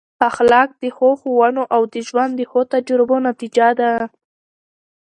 اخلاق د ښو ښوونو او د ژوند د ښو تجربو نتیجه ده.